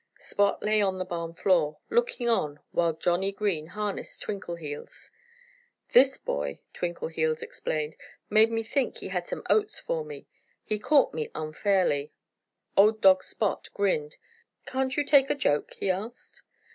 Spot lay on the barn floor, looking on while Johnnie Green harnessed Twinkleheels. "This boy," Twinkleheels explained, "made me think he had some oats for me. He caught me unfairly." Old dog Spot grinned. "Can't you take a joke?" he asked.